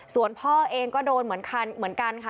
ส่วนพ่อเองก็โดนเหมือนกันค่ะ